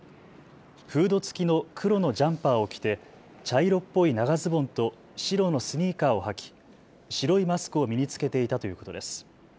フード付きの黒のジャンパーを着て茶色っぽい長ズボンと白のスニーカーを履き白いマスクを身に着けていたということです。